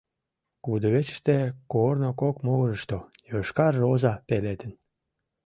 Кудывечыште, корно кок могырышто, йошкар роза пеледын.